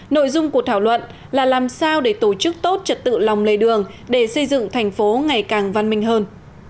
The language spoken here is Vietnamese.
nội dung của thảo luận là làm sao để tổ chức tốt trật tự lòng lề đường để xây dựng thành phố ngày càng văn minh hơn